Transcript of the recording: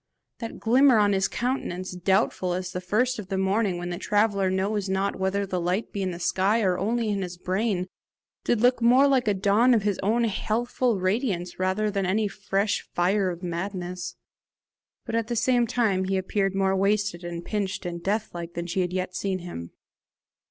That glimmer on his countenance, doubtful as the first of the morning, when the traveller knows not whether the light be in the sky or only in his brain, did look more like a dawn of his old healthful radiance than any fresh fire of madness; but at the same time he appeared more wasted and pinched and death like than she had yet seen him.